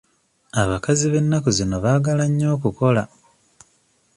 Abakazi b'ennaku zino baagala nnyo okukola.